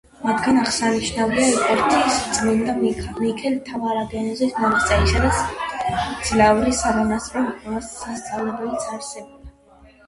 მათგან აღსანიშნავია იკორთის წმიდა მიქაელ მთავარანგელოზის მონასტერი, სადაც მძლავრი სამონასტრო სასწავლებელიც არსებულა.